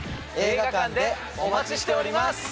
映画館でお待ちしております！